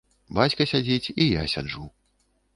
Бацька сядзіць, і я сяджу.